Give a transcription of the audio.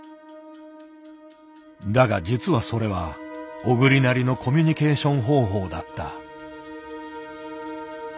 だが実はそれは小栗なりのコミュニケーション方法だった。